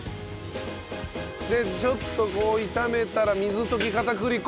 でちょっとこう炒めたら水溶き片栗粉。